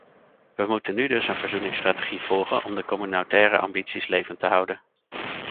We moeten nu dus een verzoeningsstrategie volgen om de communautaire ambities levend te houden.